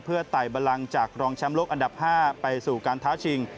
เพื่อไต่บันลังจากรองแชมป์โลกอันดับ๕ไปสู่การท้าชิง